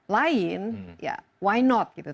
lain ya kenapa tidak